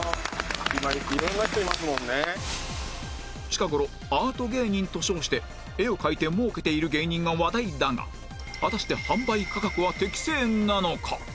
近頃アート芸人と称して絵を描いて儲けている芸人が話題だが果たして販売価格は適正なのか？